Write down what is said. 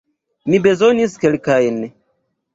Mi bezonis kelkajn.